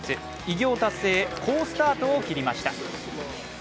偉業達成へ好スタートを切りました。